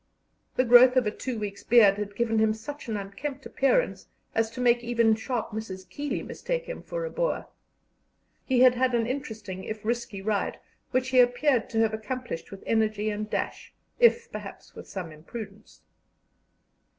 The growth of a two weeks' beard had given him such an unkempt appearance as to make even sharp Mrs. Keeley mistake him for a Boer. He had had an interesting if risky ride, which he appeared to have accomplished with energy and dash, if perhaps with some imprudence.